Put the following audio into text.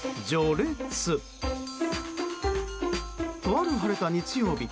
とある晴れた日曜日。